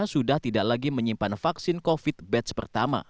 sudah tidak lagi menyimpan vaksin covid batch pertama